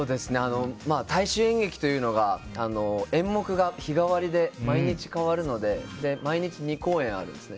大衆演劇というのが演目が日替わりで毎日変わるので毎日２公演あるんですね。